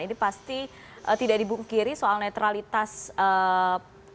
ini pasti tidak dibungkiri soal netralitas kepala daerahnya